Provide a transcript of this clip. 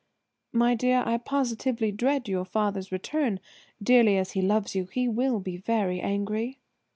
My dear, I positively dread your father's return; dearly as he loves you, he will be very angry."